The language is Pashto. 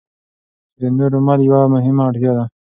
د نورو منل یوه مهمه اړتیا ده.